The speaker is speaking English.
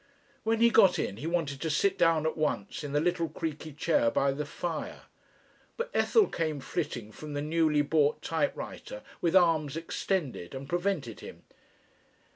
When he got in he wanted to sit down at once in the little creaky chair by the fire, but Ethel came flitting from the newly bought typewriter with arms extended and prevented him.